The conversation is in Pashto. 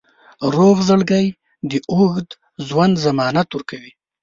روغ زړګی د اوږد ژوند ضمانت ورکوي.